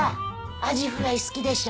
アジフライ好きでしょ。